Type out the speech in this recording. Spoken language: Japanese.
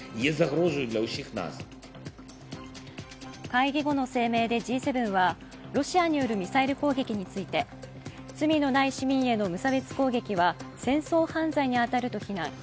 会議後の声明でＧ７はロシアによるミサイル攻撃について罪のない市民への無差別攻撃は戦争犯罪に当たると非難。